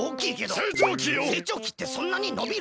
せいちょうきよ！せいちょうきってそんなにのびる？